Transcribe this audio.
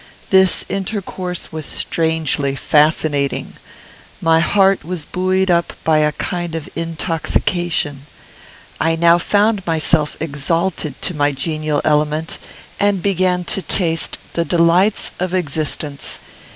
This intercourse was strangely fascinating. My heart was buoyed up by a kind of intoxication. I now found myself exalted to my genial element, and began to taste the delights of existence.